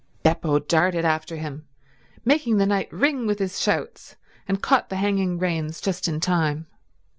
Beppo darted after him, making the night ring with his shouts, and caught the hanging reins just in time.